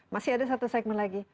masih ada satu segmen lagi